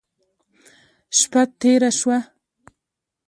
شپه تېره شوه.